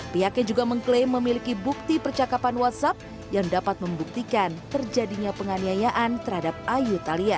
pihaknya juga mengklaim memiliki bukti percakapan whatsapp yang dapat membuktikan terjadinya penganiayaan terhadap ayu thalia